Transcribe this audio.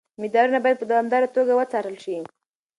مدارونه باید په دوامداره توګه وڅارل شي.